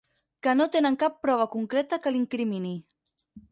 Que no tenen cap prova concreta que l'incrimini.